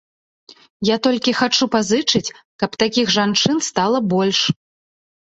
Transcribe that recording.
Я толькі хачу пазычыць, каб такіх жанчын стала больш.